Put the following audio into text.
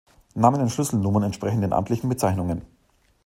Namen und Schlüsselnummern entsprechen den amtlichen Bezeichnungen.